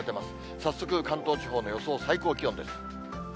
早速、関東地方の予想最高気温です。